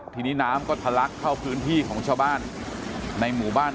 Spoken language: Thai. ทีนี้น้ำก็ทะลักเข้าพื้นที่ของชาวบ้านในหมู่บ้าน